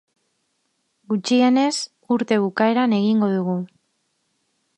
Gutxienez, urte bukaeran egingo du.